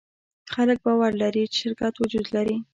خلک باور لري، چې شرکت وجود لري.